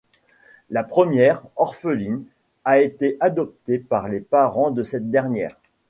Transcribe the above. La première, orpheline, a été adoptée par les parents de cette dernière.